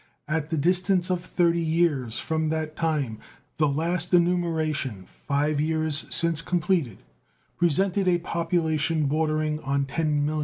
At the distance of 30 years from that time the last enumeration, five years since completed, presented a population bordering on 10,000,000.